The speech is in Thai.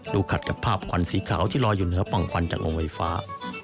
ขัดกับภาพควันสีขาวที่ลอยอยู่เหนือป่องควันจากโรงไฟฟ้า